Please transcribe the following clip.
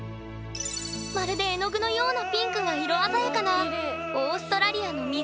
まるで絵の具のようなピンクが色鮮やかなオーストラリアの湖。